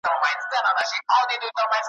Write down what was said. فرعونان مي ډوبوله `